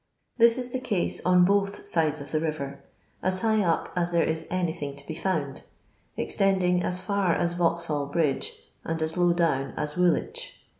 This is the case on both sides of the river, OS high up as there, is anyihinr; to be found, ex truding as f;ir as Vauxhall bridge, and as low down as Wuolwicb.